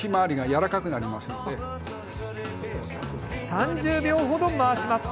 ３０秒程、回します。